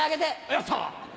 やった！